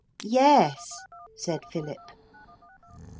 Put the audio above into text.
'Yes,' said Philip.